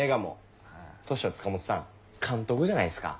そしたら塚本さん監督じゃないですか。